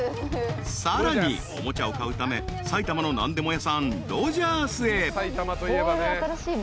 ［さらにおもちゃを買うため埼玉の何でも屋さんロヂャースへ］